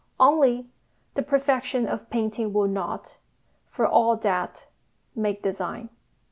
Only, the perfection of painting will not, for all that, make design.